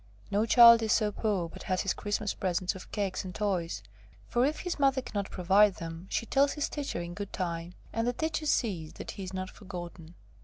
No child is so poor but has his Christmas presents of cakes and toys, for if his mother cannot provide them, she tells his teacher in good time, and the teacher sees that he is not forgotten."